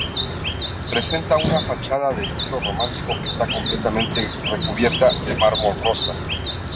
Presenta una fachada de estilo románico que está completamente recubierta de mármol rosa.